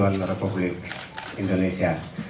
kesatuan republik indonesia